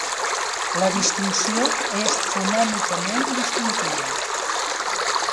La distinció és fonèmicament distintiva.